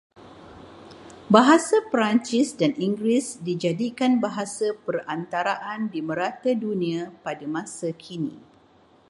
Bahasa Perancis dan Inggeris dijadikan bahasa perantaraan di merata dunia pada masa kini